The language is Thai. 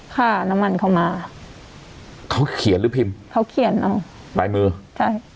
ค่าน้ำมันเข้ามาเขาเขียนหรือพิมพ์เขาเขียนเอาลายมือใช่